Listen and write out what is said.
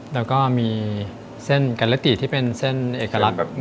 แล้วก็มีเส้นกรรเตีที่เป็นเส้นเอกลักษณ์